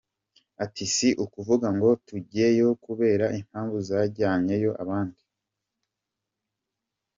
Ati “Si ukuvuga ngo tujyeyo kubera impamvu zajyanyeyo abandi.